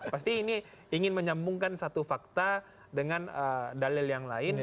pasti ini ingin menyambungkan satu fakta dengan dalil yang lain